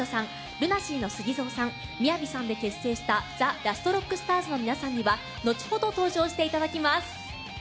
ＬＵＮＡＳＥＡのＳＵＧＩＺＯさんＭＩＹＡＶＩさんで結成したＴＨＥＬＡＳＴＲＯＣＫＳＴＡＲＳの皆さんには後ほど登場していただきます。